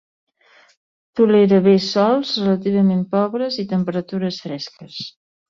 Tolera bé sòls relativament pobres i temperatures fresques.